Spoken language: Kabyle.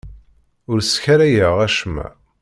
Ur sskarayeɣ acemma.